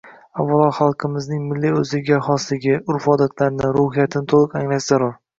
Avvalo, xalqimizning milliy o'ziga xosligini, urf -odatlarini, ruhiyatini to'liq anglash zarur